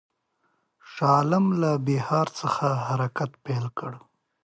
شاه عالم له بیهار څخه حرکت پیل کړ.